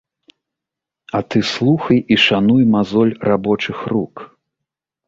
А ты слухай і шануй мазоль рабочых рук.